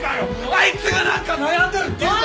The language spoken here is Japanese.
あいつが何か悩んでるっていうから！